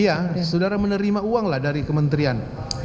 iya saudara menerima uang lah dari kementerian